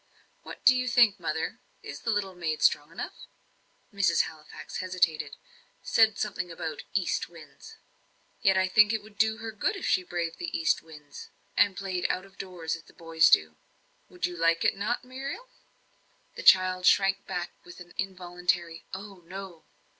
What do you think, mother is the little maid strong enough?" Mrs. Halifax hesitated; said something about "east winds." "Yet I think it would do her good if she braved east winds, and played out of doors as the boys do. Would you not like it, Muriel?" The child shrank back with an involuntary "Oh, no."